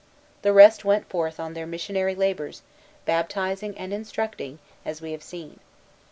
The rest went forth on their missionary labors, baptizing and instructing, as we have seen.